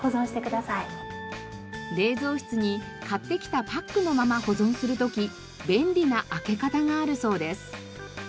冷蔵室に買ってきたパックのまま保存する時便利な開け方があるそうです。